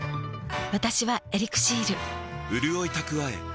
私は「エリクシール」